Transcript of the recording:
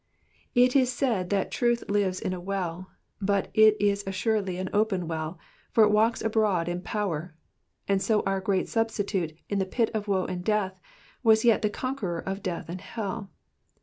It is said that truth lies in a well, but it is assuredly an open well, for it walks abroad in power ; and so our great Substitute in the pit of woe and death was yet the Conqueror of death and hell.